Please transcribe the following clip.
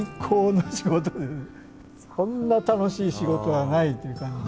こんな楽しい仕事はないという感じ。